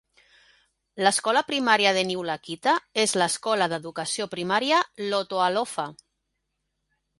L'escola primària de Niulakita és l'Escola d'educació primària Lotoalofa.